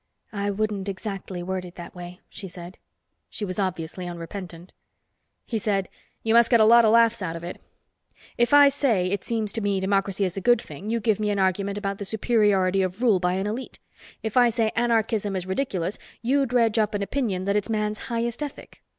"I wouldn't exactly word it that way," she said. She was obviously unrepentant. He said, "You must get a lot of laughs out of it. If I say, it seems to me democracy is a good thing, you give me an argument about the superiority of rule by an elite. If I say anarchism is ridiculous, you dredge up an opinion that it's man's highest ethic.